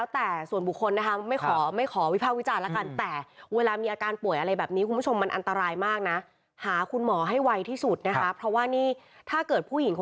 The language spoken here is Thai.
ตันไม่ได้ตรวจสามารถมีโรคป่วย